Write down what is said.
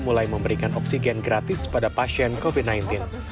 mulai memberikan oksigen gratis pada pasien covid sembilan belas